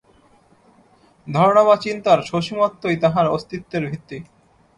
ধারণা বা চিন্তার সসীমত্বই তাহার অস্তিত্বের ভিত্তি।